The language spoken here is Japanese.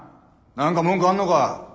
何か文句あんのか？